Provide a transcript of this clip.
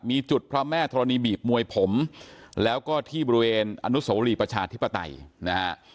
มีจุดพระแม่ธรณีบีบมวยผมแล้วก็ที่บริเวณอนุโสรีประชาธิปไตยนะฮะ